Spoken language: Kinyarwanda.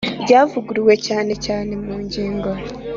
Ryavuguruwe cyane cyane mu ngingo